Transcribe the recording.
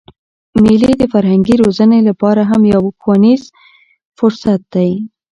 مېلې د فرهنګي روزني له پاره هم یو ښوونیز فرصت دئ.